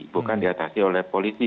bukan diatasi oleh polisi